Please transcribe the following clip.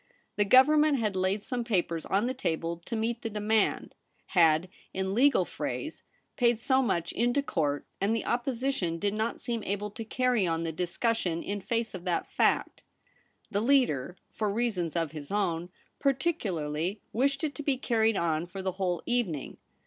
The Government had laid some papers on the table to meet the demand ; had, in legal phrase, paid so much into court, and the Opposition did not seem able to carry on the discussion in face of that fact. The leader, for reasons of his own, particularly wished it to be carried on for the whole evening.